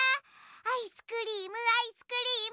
アイスクリームアイスクリーム！